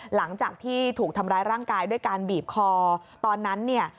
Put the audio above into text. หลังจากที่ถูกทำร้ายร่างกายด้วยการบีบคอตอนนั้นเนี่ย